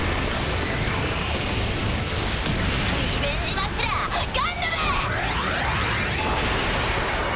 リベンジマッチだガンダム！